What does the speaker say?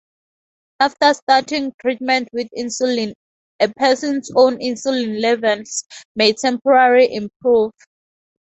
After starting treatment with insulin a person's own insulin levels may temporarily improve.